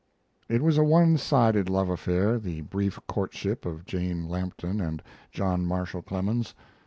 It was a one sided love affair, the brief courtship of Jane Lampton and John Marshall Clemens.